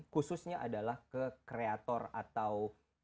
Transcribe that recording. khususnya adalah ke kreator atau